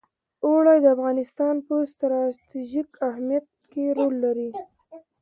اوړي د افغانستان په ستراتیژیک اهمیت کې رول لري.